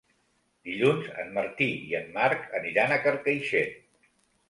Dilluns en Martí i en Marc aniran a Carcaixent.